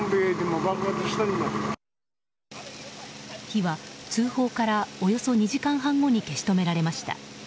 火は通報からおよそ２時間半後に消し止められました。